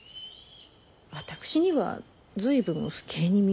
私には随分不敬に見えるけれど。